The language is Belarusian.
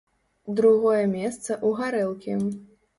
Другое месца ў гарэлкі.